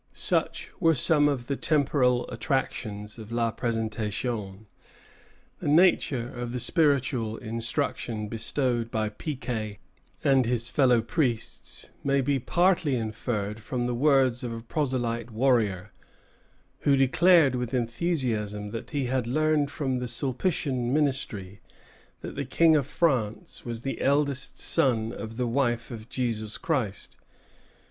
Such were some of the temporal attractions of La Présentation. The nature of the spiritual instruction bestowed by Piquet and his fellow priests may be partly inferred from the words of a proselyte warrior, who declared with enthusiasm that he had learned from the Sulpitian missionary that the King of France was the eldest son of the wife of Jesus Christ.